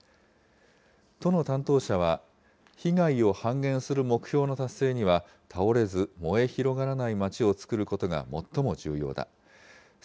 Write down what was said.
都の担当者は、被害を半減する目標の達成には倒れず、燃え広がらない町を作ることが最も重要だ。